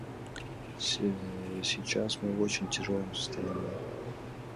Сейчас мы в очень тяжелом с.